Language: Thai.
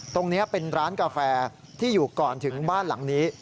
ตรงนี้เป็นร้านกาแฟที่อยู่ก่อนถึงบ้านหลังนี้